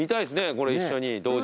これ一緒に同時に。